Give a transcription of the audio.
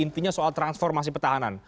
intinya soal transformasi pertahanan